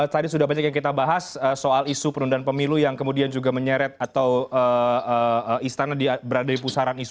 tadi sudah banyak yang kita bahas soal isu penundaan pemilu yang kemudian juga menyeret atau istana berada di pusaran isu